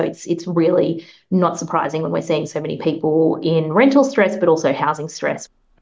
jadi ini benar benar tidak mengejutkan ketika kita melihat banyak orang yang berstres di renta tapi juga di perumahan